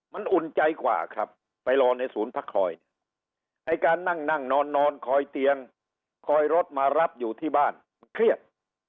มันอุ่นใจกว่าครับไปรอในศูนย์พักคอยเนี่ยไอ้การนั่งนั่งนอนคอยเตียงคอยรถมารับอยู่ที่บ้านมันเครียด